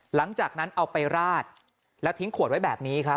หลังจากนั้นเอาไปราดแล้วทิ้งขวดไว้แบบนี้ครับ